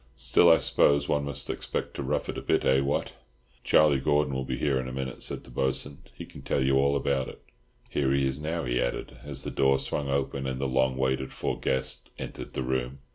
Still, I suppose one must expect to rough it a bit. Eh, what!" "Charlie Gordon will he here in a minute," said the Bo'sun. "He can tell you all about it. Here he is now," he added, as the door swung open and the long waited for guest entered the room.